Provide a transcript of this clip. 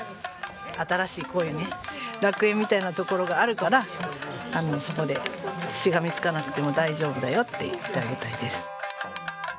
新しいこういうね楽園みたいなところがあるからそこでしがみつかなくても大丈夫だよって言ってあげたいです。